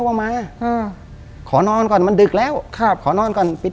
เป๊ะเป๊ะเป๊ะเป๊ะเป๊ะเป๊ะเป๊ะเป๊ะเป๊ะเป๊ะเป๊ะเป๊ะ